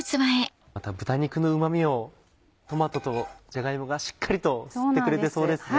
豚肉のうま味をトマトとじゃが芋がしっかりと吸ってくれてそうですね。